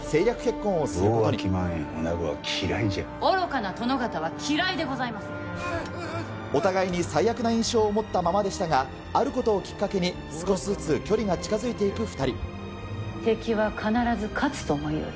分をわきまえんおなごは嫌い愚かな殿方は嫌いでございまお互いに最悪な印象を持ったままでしたが、あることをきっかけに、少しずつ距離が近づいてい敵は必ず勝つと思いよる。